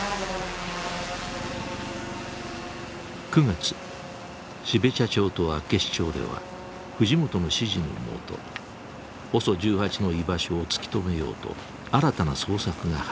９月標茶町と厚岸町では藤本の指示の下ＯＳＯ１８の居場所を突き止めようと新たな捜索が始まっていた。